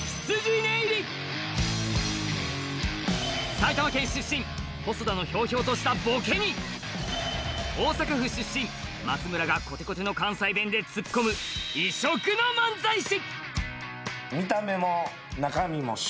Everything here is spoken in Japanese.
埼玉県出身細田のひょうひょうとしたボケに大阪府出身、松村がコテコテの関西弁でツッコむ異色の漫才師。